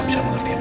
bisa mengerti bu